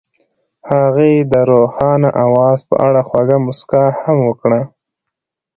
هغې د روښانه اواز په اړه خوږه موسکا هم وکړه.